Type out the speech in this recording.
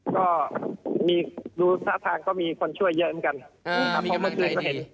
ก็รู้สะทางก็มีคนช่วยเยอะเหมือนกัน